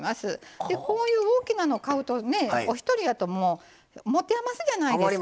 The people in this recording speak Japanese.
こういう大きなのを買うとねお一人やともう持て余すじゃないですか。